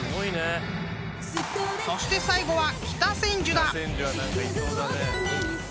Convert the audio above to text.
［そして最後は］